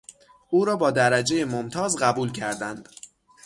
او را با درجهی ممتاز قبول کردند.